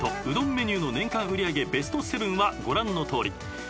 うどんメニューの年間売り上げベスト７はご覧のとおり。